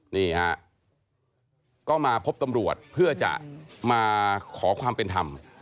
นี่ฮะก็มาพบตำรวจเพื่อจะมาขอความเป็นธรรม